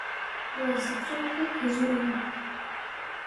Wasiitrawqa quñunmi.